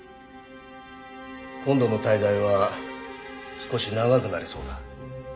今度の滞在は少し長くなりそうだ。